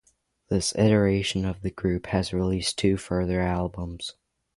This iteration of the group has released two further albums.